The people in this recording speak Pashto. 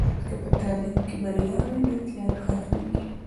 که په تعلیم کې بریا وي، نو تیاره ختمېږي.